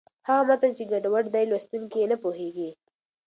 هغه متن چې ګډوډه دی، لوستونکی یې نه پوهېږي.